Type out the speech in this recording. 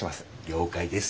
了解です。